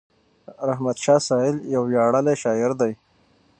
رحمت شاه سایل یو ویاړلی شاعر دی.